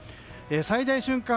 最大瞬間